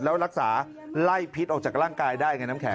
แล้วรักษาไล่พิษออกจากร่างกายได้ไงน้ำแข